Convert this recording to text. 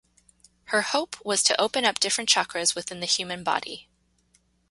Her hope was to open up different chakras within the human body.